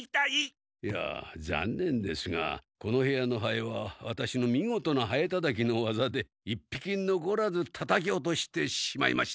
ざんねんですがこの部屋のハエはワタシのみごとなハエたたきの技で一匹のこらずたたき落としてしまいました。